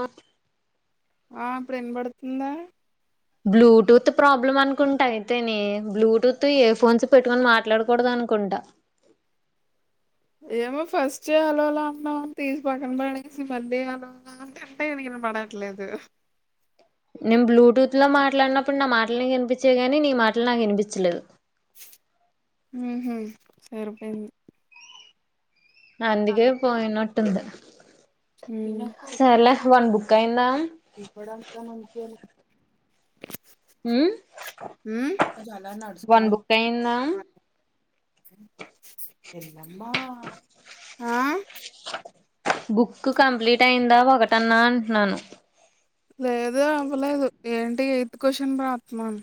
ఆ ఆ ఇప్పుడు వినపడుతుందా బ్లూటూత్ ప్రాబ్లమ్ అనుకుంటా అయితేనే బ్లూటూత్ ఇయర్ ఫోన్స్ పెట్టుకొని మాట్లాడకూడదు కుంటా ఏమో ఫస్ట్ హలోలా అనడం తీసి పక్కన పడేసి మళ్ళీ హలోలా అంట అంతే వినపడట్లేదు నేను బ్లూటూత్ లో మాట్లాడినప్పుడు నా మాటలు నీకు వినిపించేయి గాని నీ మాటలు నాకు వినిపించలేదు ఉహు సరిపోయింది అందుకే పోయినట్టుంది సరేలే వన్ బుక్ అయిందా ఇప్పడాని కానీ అనిపియ్యలే [inaudible] ఉ ఉమ్ బుక్ అయిందా ఆ బుక్ కంప్లీట్ అయిందా ఒకటన్నా అంటున్నాను లేదు అవ్వలేదు ఏంటి ఎయిత్ క్వశ్చన్ రాస్తున్నాను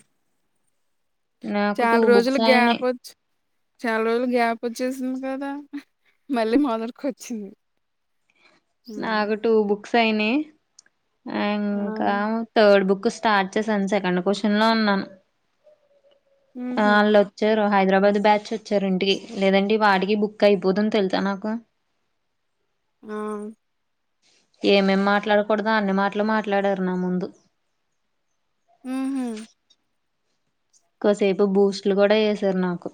నాకు టూ చాలా రోజులు బుక్స్ అయినాయి గ్యాప్ వచ్చి చాలా రోజులు గ్యాప్ వచ్చేసింది కదా మళ్ళీ మొదటికి వచ్చింది నాకు టూ బుక్స్ అయినాయ్ ఆ ఇంకా థర్డ్ బుక్ స్టార్ట్ చేశాను సెకండ్ క్వశ్చన్ లో ఉన్నాను. ఉహు వాళ్ళు వచ్చే హైదరాబాద్ బ్యాచ్ వచ్చారు ఇంటికి లేదంటే ఈ పాటికి బుక్ అయిపోతుంది తెలుసా నాకు [inaudible] ఆ ఏమేమి మాట్లాడకూడదో అన్ని మాటలు మాట్లాడారు నా ముందు. వుహుమ్ కాసేపు బూస్ట్లు కూడా చేసారు నాకు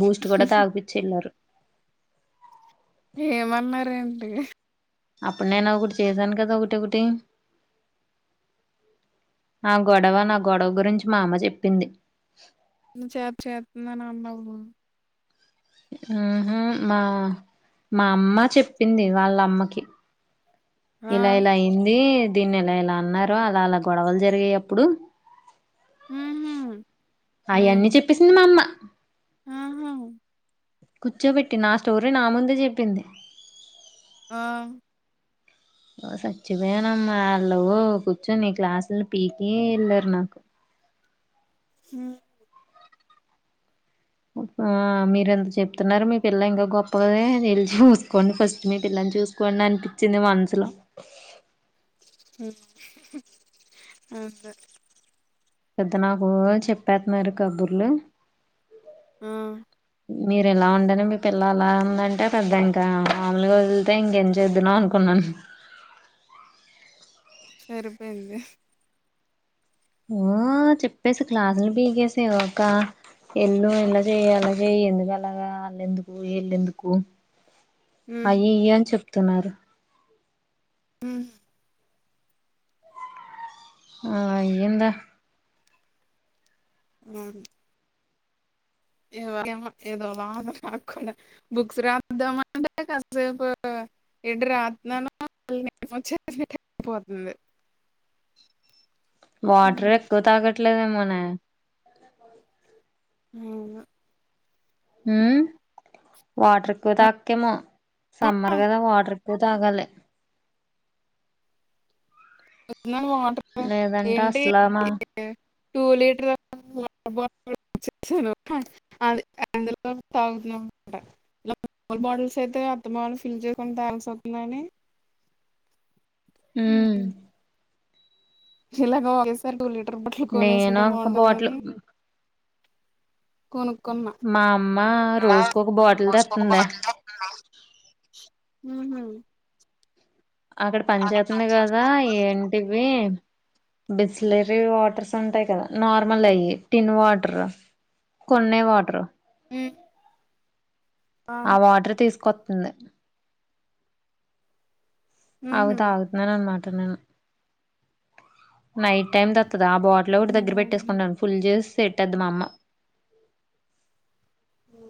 బూస్ట్ కూడా తాగిపిచ్చి వెళ్ళారు. హి అప్పుడు నేను ఒకటి చేశాను కదా ఒకటి ఒకటి ఆ గొడవ నా గొడవ గురించి మా అమ్మ చెప్పింది. నువ్ చేబ్ చేత్ న్ననన్నావు. వుహుమ్ మా మా అమ్మ చెప్పింది వాళ్ళ అమ్మకి ఆ ఇలా ఇలా అయ్యిందీ దీన్ని ఎలా ఎలా అన్నారో అలా అలా గొడవలు జరిగాయి అప్పుడు. ఉహు అయన్నీ ఉమ్ చెప్పేసింది మా అమ్మ. ఆహా కూర్చోబెట్టి నా స్టోరీ నా ముందే చెప్పింది. ఆ ఓ సచ్చిపోయానమ్మా వాళ్ళు కూర్చోని క్లాసులు పీకే వెళ్ళారు నాకు. ఉమ్ ఆ మీర ఎంత చెప్తున్నారు మీ పిల్ల ఇంకా గొప్పగాదే నిలిచి చూసుకోండి ఫస్ట్ మీ పిల్లని చూసుకోండి అనిపించింది మనసులో అవును సార్ పెద్ద నాకు చెప్పేత్తన్నారు కబుర్లు. ఆ మీరు ఎలా ఉంటేనే మీ పిల్ల అలా ఉందంటే పెద్ద ఇంకా మామములుగా వదిలితే ఇంకేం చేద్దున్నాం అనుకున్నా. అహం సరిపోయిందీ ఓ చెప్పేసి క్లాసులు పీగేసి ఒకా ఎల్లు ఎల్లవే ఎలావె ఎందుకు అలాగా ఆల్ళెందుకు ఈల్ళెందుకు హ్మ్. అయ్యాయ్య చెప్తున్నారు ఉమ్ ఆ ఇంధ [unintelligible] ఏమో ఏదో లాగా ఆగ్కుండా బుక్స్ రాద్దామ అంటే కాసేపు ఎటు రాత్ననానో కళ్ళేమో [unintelligible] పోతుంది వాటర్ హ్మ్. ఎక్కువ తాగట్లేదేమోనే అవునా ఉమ్మ్ వాటర్ ఎక్కువ తాగక్కేమో ఆ, సమ్మర్ కదా వాటర్ ఎక్ పోతాగాలే నో వాటరు లేదంటే ఏంటి అసలామా టూ లీటర్ వాటర్ బాటిల్ [unintelligible] వ అది అందులో తాగు [unintelligible] బాటిల్స్ అయితే అత్తమవాళ్ళు ఫిల్ చేయాకుండా తాగాల్సి వస్తుతుందని ఉమ్మ్ ఎలాగో ఒకేసారి టూ లీటర్ బాటిల్ నేను కొనేసుంటే ఒక బాటిల్ బాగుంటదని కొనుకున్నా మా అమ్మ రోజుకు ఒక బాటిల్ తెత్తందే ఉమ్మ్ అక్కడ పని చెత్తనాయ్ కదా ఏంటిఇవి. బిస్లరీ వాటర్స్ ఉంటాయి కదా నార్మల్ అయి టిన్ వాటర్ కొనీవాటరు [unintelligible] ఆ వార్డర్ తీసుకొస్తుంది ఉహు అవుదు ఆగుతున్నాను అనమాట నేను నైట్ టైమ్ ద ఆ బాటిల్ ఒక దగ్గర ఉహు పెట్టేసుకుంటను ఫుల్ చేసి పెట్టద్ మా అమ్మ ఉ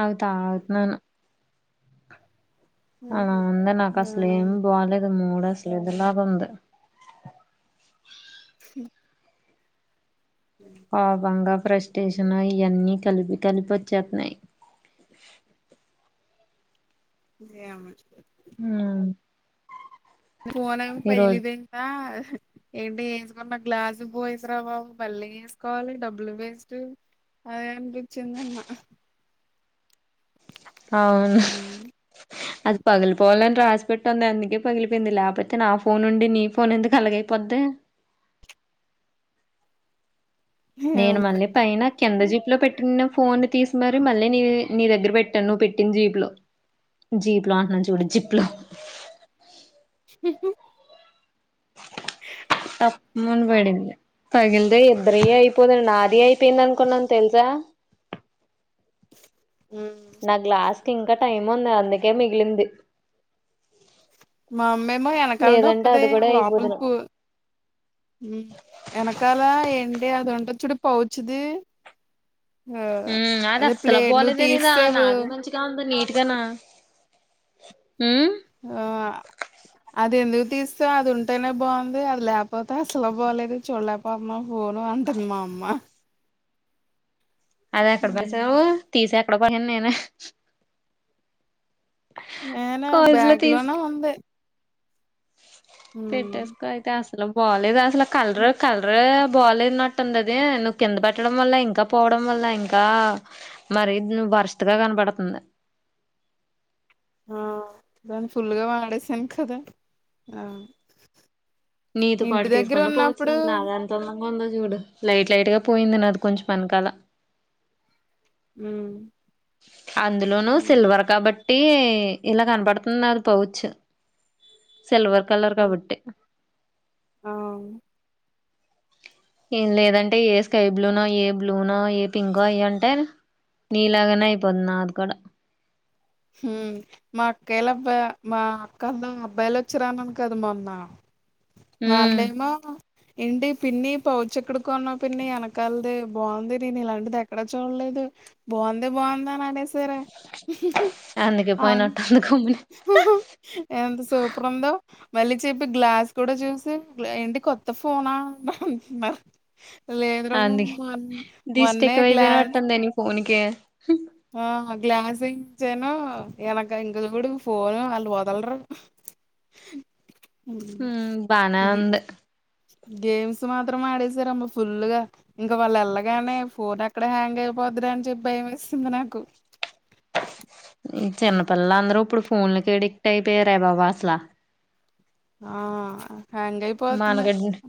అవుతా అవుతున్నాను అలా ఉందిా నాకు అసలు ఏమి బాలేదు మూడు మసలు ఇలా వంది [unintelligible] పా బంగా ఫ్రస్టేషన్ ఇవన్నీ కలిపి కలిపి వచ్చేస్తున్నాయి అవు ఫోన్ అ పైలీ ఈరోజు దంద ఏంటి వేసుకున్న గ్లాసు పో వసరా బాబు మళ్ళీ వేసుకోవాలి డబ్బులు వేస్ట్ అదే అ చిందమ్మా అవును అది పగిలిపోవాలని రాసి పె ట్టుంది అందుకే పగిలిపోయింది లేకపోతే నా ఫోన్ ఉండి నీ ఫోన్ ఎందుకు అలగైపోద్ [unintelligible] ఏమో నేను మరి మళ్ళీ పైన కింద జీప్ లో పెట్టిన ఫోన్ తీసి మరి మళ్ళీ నీ నీ దగ్గర పెట్టాను నువ్వు పెట్టిన జీప్ లో జీప్లా అంచిడి జిప్లా [unintelligible] త మునపడింది పగిలిద ఇద్దరి అయిపోద నాది అయిపోయింది అనుకున్నాను తెలుసా నాకు లాస్ట్ ఇంకా టైం ఉంది అందుకే మిగిలింది మామేమ లేదంటే వెనకాలొప్పద అది కూడా అయిపోదును లోపలిపు వెనకాల ఏంటి అది వంట చూడు పోవచ్చుది ఉ అది అస్సలు బోలేదేనిదా తీసేవు నాదే మంచిగా ఉంది నీ ఇకానా ఆ అది ఎందుకు తీస్తే అది ఉంటేనే బాగుంది అది లేకపోతే అసలు బాలేదు చూడలేపోతున్న పోను అంటందమా అమ్మా అది ఎక్కడ పావు తీసి ఎక్కడ పోయాను నేను నేను బ్యాగలోనే ఉంది ఉమ్. పెట్టేసుకో అయితే అసలు బాలేదు అసలు కలర్ కలర్ బాలేదు నట్టుంది అది నువ్వు కింద పెట్టడం వల్ల ఇంకా పోవడం వల్ల ఇంకా మరి నువు వరస్ట్ గా కనపడుతుంది ఆ దాని ఫుల్గా వాడేసాను కదా ఆ నీతో ఇంటి పాటు దగ్గర తీసుకున్న పో వచ్చిన ఉన్నప్పుడు నాదంతంది కొంద చూడు లైట్ లైట్ గా పోయింది నాది కొంచెం పనకాల ఉ అందులోను సిల్వర్ కాబట్టి బట్టి ఇలా కనపడుతున్నారు అది పోవచ్చు సిల్వర్ కలర్ కాబట్టి అవు ఏం లేదంటే ఏ స్కై బ్లూనో ఏ బ్లూనో ఏ పింకో అయ అంటారు నీలాగనా ఇపోదున్నా అది కూడా మా అక్కయల అబ్బాయి మా అక్కలో అబ్బాయిలు వచ్చి రానను కదా మొన్న ఉమ్ వాళ్లేమో ఏంటి పిన్ని పౌచ్ ఎక్కడి కొన్నా పిన్ని వెనకాలది బాగుంది నేను ఇలాంటిది ఎక్కడా చూడలేదు బాగుంది బాగుంద అని అడసరే అందుకే అ పోయినట్టుంది గమ్మున ఎంత సూపర్ ఉందో మళ్ళీ చెప్పి గ్లాస్ కూడ చూసి ఏంటి కొత్త ఫోనా అంటున్నారు. లేదురా అంది మొ దిస్టి మొన్నే గ్లాస్ ఎక్కువైపోయినట్టుందే నీ ఫోన్ కీ. ఆ గ్లాస్ ఏయించనూ ఎనక [unintelligible] ఫోనూ అంటు వొదల్రు. [inaudible] మ్మ్ బానే ఉంది. గేమ్స్ మాత్రం ఆడేసారమ్మ ఫుల్లుగా ఇంక వాళ్లేళ్లగానే ఫోన్ ఎక్కడ హ్యాంగ్ అయిపో ద్ధిరా అని చెప్పి భయం ఏస్తుంది నాకు. ఈ చిన్నపిల్లలందరూ ఉప్పుడు ఫోన్లకి ఎడిక్ట్ అయిపోయారే బాబూ అసలా. ఆ హ్యాంగ్ అయిపోతుంది [unintelligible]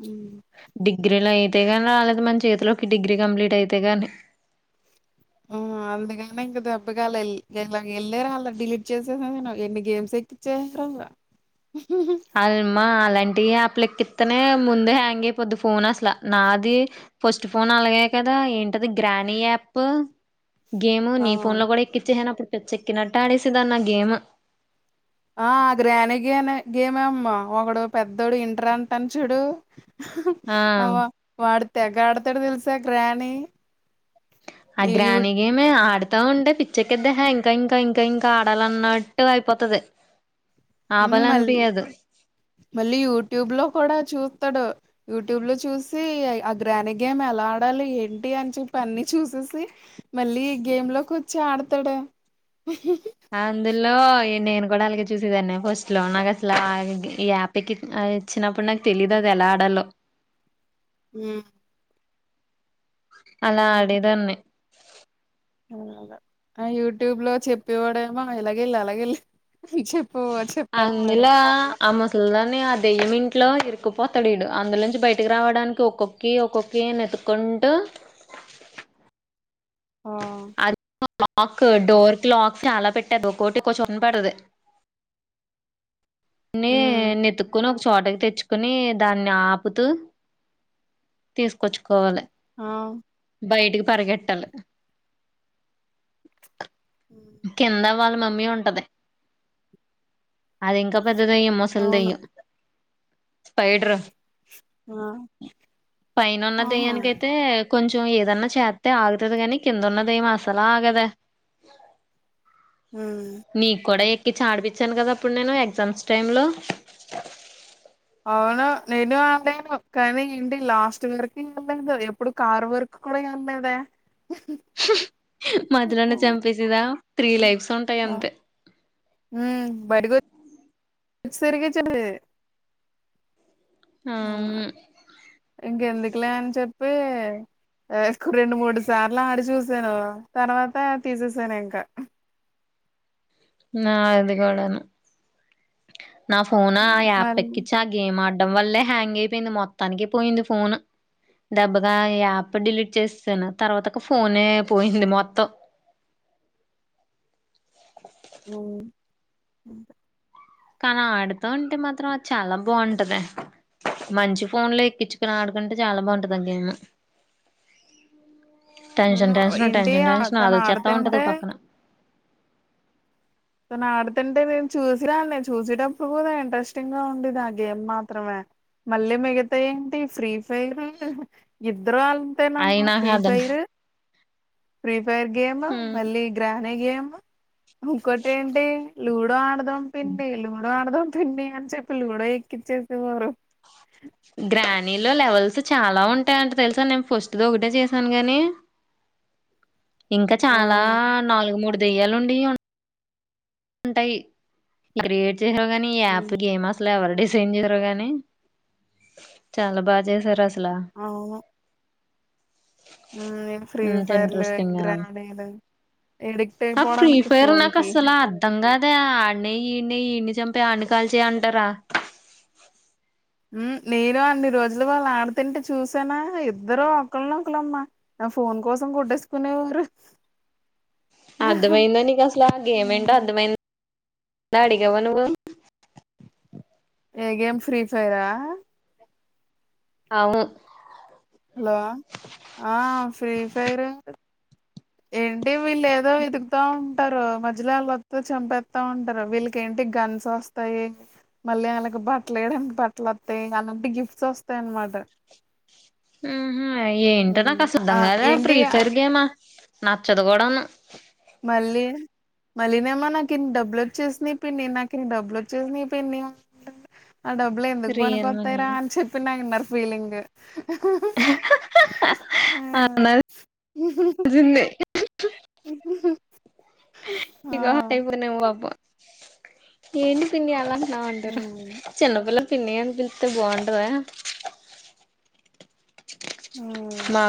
డిగ్రీలోయే [unintelligible] ఆళ్లకుమన్ చేతిలోకి డిగ్రీ కంప్లీట్ అయితే గాని ఆ అందుకనే ఇంక దెబ్బకాల్లేల్ ఇలా గెళ్ళారు అలా డిలీట్ చేసేసా నేను ఎన్ని గేమ్స్ ఎక్కిచారో. అల్మా అలాం టి యాప్లెక్కిత్తనే ముందే హ్యాంగ్ అయిపోద్ది ఫోన్ అస్ల నాదీ ఫస్ట్ ఫోన్ అలగయ్యే కదా. ఆ ఏంటది గ్రానీ యాప్పూ. గేమూ ఆ నీ ఫోన్ లో కూడా ఎక్కిచేహానప్పుడు పిచ్చేక్కినట్టాడేసేదాన్నా గేము. ఆ గ్రానీగినే గేమే అమ్మా వొకడు పెద్దోడు ఇంటర్ అంటన్ చూడూ ఆ అవ్వ వాడు తెగాడుతాడు తెలుసా గ్రానీ. అ గ్రాని గేమ్ ఆడ్ తా ఉంటే పిచ్చేక్కేదెహే ఇంకా ఇంకా ఇంకా ఇంకా ఆడాలన్నట్టు అయిపోతది. మ్మ్ మళ్ ఆపాలనిపియ్యదు మళ్ళీ యూట్యూబ్ లో కూడా చూ తడు యూట్యూబ్ లో చూసీ ఆ గ్రాని గేమ్ ఎలా ఆడాలి ఏంటి అని చెప్పన్నీ చూస్ సి మళ్ళీ గేమ్ లోకొచ్చి ఆడుతడే. అందులో నేను కూడా అలగే చూసేదాన్నే ఫస్ట్ లో నాకసల ఆ ఈ యాప్ ఎకి ఇచ్చినప్పుడు నాకు తెలీదదెలా ఆడాలో. [unintelligible] అలా ఆడేదాన్ని. [unintelligible] ఆ యూట్యూబ్ లో చెప్పేవడేమో ఇలాగెళ్ అలాగెళ్ అందులో ఆ ముసల్ దాన్ని ఆ దెయ్యం ఇంట్ ట్లో ఇరుక్కుపోతడీడు అందుల్ నుంచి బయటికి రావడానికి ఒక్కొ క్కీ ఒక్కొ క్కి నెతుక్కుంటూ ఆ అది [inaudible] లాక్ క్ డోర్ కి లాక్స్ చాలా [unintelligible] ఒక్కొటి ఒక్కో చోటన పెడతది. నే ఉమ్ నెతుక్కొనొక చోటకి తెచ్చుకునీ దాన్నాపుతూ తీసుకొచ్చుకోవాలె. ఆ బయటికి పరిగెట్టల్ల్ కింద వాళ్ల మమ్మీ ఉంటది అదింకా పెద్ద దెయ్యం ముసల్ అవును దెయ్యం స్పైడర్ర్ ఆ పైనున్న ఆహా దెయ్యానికైతే కొంచెం ఏదన్నా చేత్తె ఆగుతది గని కిందున్న దెయ్యం అసలాగదే. ఉమ్ మీక్కూడా ఎ కిచ్చి ఆడిపిచ్చాను గద అప్పుడు నేనూ ఎగ్జామ్స్ టైమ్ లో అవును నేనూ ఆడాను కనీ ఇంటికి లాస్ట్ వరకీ ఎళ్లేదూ ఎప్పుడు కార్ వరకు కూడ యె ల్లేదే మధ్యలోనె చంపేసేదా త్రీ లైఫ్స్ ఉంటాయంతే. ఉ [inaudible] ఆవును. ఇంకెందుకులే అని చెప్పీ ఆ ఒక రెండు మూడు సార్లాడిచూస్ సానూ తర్వాతా తీసేసానింక. నాది కూడా ను నా ఫోన్ ఆ ఉమ్, యాప్ మళ్ళీ ఎక్కించి ఆ గేమ్ ఆడడం వల్లే హ్యాంగ్ అయిపోయింది మొత్తానికి పోయింది ఫోన్ దెబ్బ కా యాప్ డిలీట్ చేసేసినాను తర్వాత కు ఫోనే పోయింది మొత్తం మ్మ్ కానీ ఆడుతుంటే మాత్రం అది చాలా బంటది మంచి ఫోన్ లో ఎక్కించుకుని ఆడుకుంటే చాలా బంటదండి టెన్షన్ టెన్షన్ ఏంటి టెన్షన్ ఆ టెన్షన్ తను అది వచ్చేత్త ఉంటది ఆడుతుంటే పక్కన నాడుతుంటే నేను చూసి రానులే చూసేటప్పుడు కూడా ఇంట్రెస్టింగ్ గా ఉండిది ఆ గేమ్ మాత్రమే మళ్లీ మిగతా ఏంటి ఫ్రీ ఫైర్ ఇద్ త్వరగా అంటే అయి నమ్మ నాకు ఫ్రీ అర్థం ఫైర్ ఫ్రీ ఫైర్ గేమ్ కా మళ్ళీ గ్రాం నీ గేమ్ ఇంకోటి ఏంటి లూడో ఆడదాం పిన్ని లూడో ఆడదాం పిన్ని గాని చెప్పులు కూడా ఎక్కిచ్చుకేసుకున్నారు గ్రానీలో లెవెల్స్ చాలా ఉంటాయంట తెలుసా నేను ఫస్ట్ ది ఒకటే చేసాను గాని ఇంకా ఆ చాలా నాలుగు మూడు దెయ్యాలు ఉండి ఉన్ ఉంటాయి ఇట్లా క్రియేట్ చేశా కానీ ఈ యాప్ గేమ్ అసల్ ఎవరు డిసైన్ చేసారు గాని చాలా బాగా చేసారు అస్ అవును ఫ్రీ ఎంత ఫైర్లు ఇంట్రెస్టింగ్ గానో గ్రానేయిలు ఎడిక్ట్ అయిపోడానికి ఫోన్కి కాదా ఆనీయే ఈనీయే ఈయన్ని చంపి ఆన్ని కాల్చయ్ అంటారా నేను అన్ని రోజులు వాళ్ళు ఆడుతుంటే చూసానా ఇద్దరు ఒకళనొ ఒకళమ్మా ఫోన్ కోసం కొట్టేసుకునేవారు అర్థమైందా నీకు అసలు ఆ గేమేంటో అర్థమైంద్ నాడిగావ నువ్వు ఏ గేమ్ ఫ్రీ ఫైరా అవును హలో ఆ ఫ్రీ ఫైరు ఏంటి వీళ్ళు ఏదో వేతుకుతా ఉంటారు మధ్యలోకి వస్తే చంపేస్తా ఉంటారు వీళ్ళకి ఏంటి గన్స్ వస్తాయి మళ్ళీ వాళ్ళకి బట్టలు వేయడానికి బట్టలు వత్తయ్ అలా గిఫ్ట్స్ వస్తాయి ఆన్ మాట మ్మ్ హ్మ్ ఏంటది అసల్ ఆ! బంగారం ఏంటి ప్రీఫైర్ గేమా నచ్చదుకోవడను మళ్ళీ మళ్ళీనేమో నాకు ఇన్ని డబ్బులు వచ్చేసినయ్ పిన్ని నాకు డబ్బులు వచ్చేసినయ్ పిన్ని ఆ డబ్బులు ఎందుకు రియల్ మనీ పనికొతాయిరా అని చెప్పి నా ఇన్నర్ ఫీలింగు ఆ! అనాల్సిందే ఇగ హార్ట్ ఆ! అయిపోనే పాపం ఏంటి పిన్ని అలా అంటున్నావ్ అంటరూ హ్మ్. చిన్నపిల్ల పిన్ని అని పిలిస్తే బాగుంటదా హ్మ్. మా